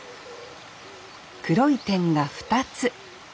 黒い点が２つ。